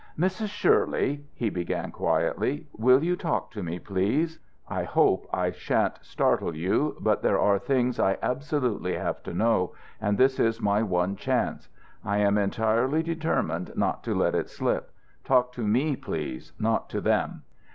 "Mrs. Shirley," he began, quietly, "will you talk to me, please? I hope I shan't startle you, but there are things I absolutely have to know, and this is my one chance. I am entirely determined not to let it slip. Talk to me, please, not to them.